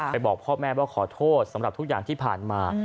บอกพ่อแม่ว่าขอโทษสำหรับทุกอย่างที่ผ่านมา